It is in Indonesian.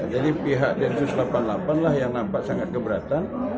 jadi pihak densus delapan puluh delapan lah yang nampak sangat keberatan